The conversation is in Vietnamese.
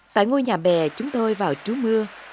tại ngôi nhà bè chúng tôi vào trú mưa